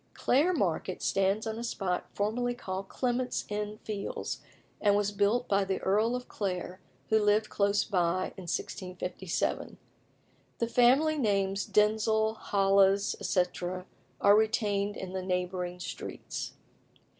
Clare Market stands on a spot formerly called Clement's Inn Fields, and was built by the Earl of Clare, who lived close by, in 1657. The family names, Denzil, Holles, etc., are retained in the neighbouring streets.